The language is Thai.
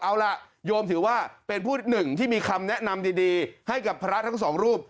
เอาล่ะโยมถือว่าเป็นผู้หนึ่งที่มีคำแนะนำดีให้กับพระทั้งสองรูป